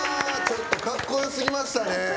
ちょっとかっこよすぎましたね。